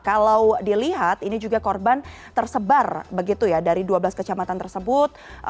kalau dilihat ini juga korban tersebar begitu ya dari dua belas kecamatan tersebut